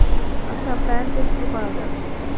আচ্ছা, প্লানচেট শুরু করা যাক।